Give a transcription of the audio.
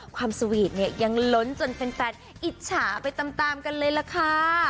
ความสวีทเนี่ยยังล้นจนแฟนอิจฉาไปตามกันเลยล่ะค่ะ